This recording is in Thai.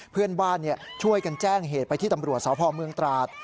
เพื่อนบ้านช่วยกันแจ้งเหตุไปที่ตำรวจสพเมืองตราด